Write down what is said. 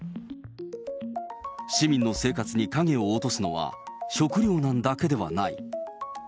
市民の生活に影を落とすのは、食料難だけではない。